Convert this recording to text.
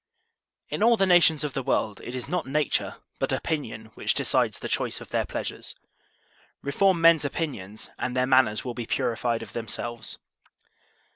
In all the nations of the world it is not nature but opinion which decides the choice of their pleasures. Reform men's opinions and their manners will be purified of themselves.